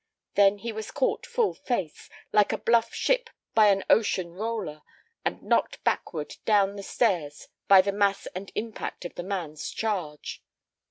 Then he was caught full face, like a bluff ship by an ocean roller, and knocked backward down the stairs by the mass and impact of the man's charge.